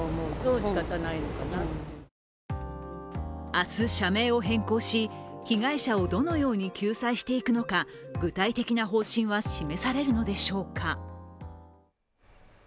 明日社名を変更し被害者をどのように救済していくのか具体的な方針は示されるのでしょうか。